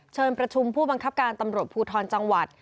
เชิญประชุมผู้บังคับการตำรวจภูทรจังหวัด